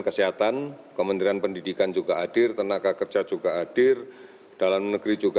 karena protokol ini dibuat bersama sama lintas kementerian